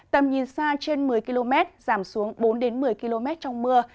tầm nhìn xa trên một mươi km giảm xuống bốn một mươi km trong mưa